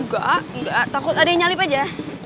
enggak takut ada yang nyalip aja